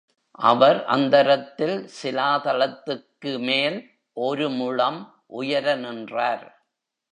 அவர் அந்தரத்தில் சிலாதலத்துக்கு மேல் ஒரு முழம் உயர நின்றார்.